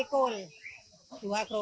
itu berapa dua rupiah